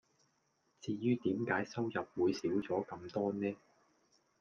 至於點解收入會少咗咁多呢?